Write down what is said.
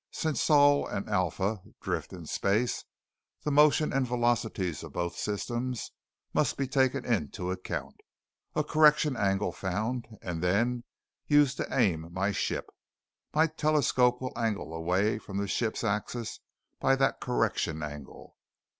Since Sol and Alpha drift in space, the motion and velocities of both systems must be taken into account, a correction angle found, and then used to aim my ship. My telescope will angle away from the ship's axis by that correction angle.